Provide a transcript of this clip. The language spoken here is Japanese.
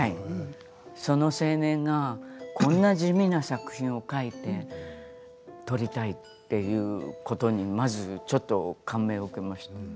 その青年がこんな地味な作品を書いて撮りたいということに、まず感銘を受けました。